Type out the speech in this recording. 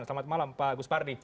selamat malam pak gus pardi